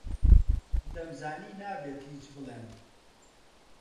دەمزانی نابێت هیچ بڵێم.